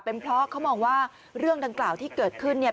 เป็นเพราะเขามองว่าเรื่องดังกล่าวที่เกิดขึ้นเนี่ย